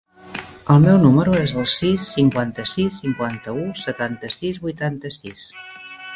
El meu número es el sis, cinquanta-sis, cinquanta-u, setanta-sis, vuitanta-sis.